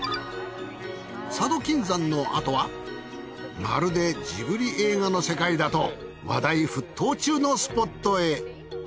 佐渡金山のあとはまるでジブリ映画の世界だと話題沸騰中のスポットへ。